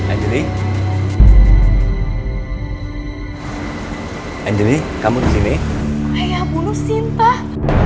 ayah apa apaan sih ayah